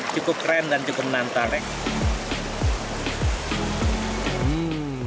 cukup keren dan cukup nantalek